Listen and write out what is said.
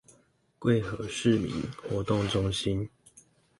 貴和市民活動中心